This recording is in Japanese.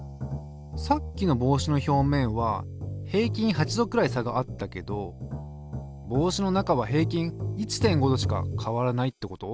さっきの帽子の表面は平均８℃くらい差があったけど帽子の中は平均１．５℃しか変わらないってこと？